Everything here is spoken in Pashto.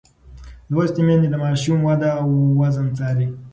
لوستې میندې د ماشوم وده او وزن څاري.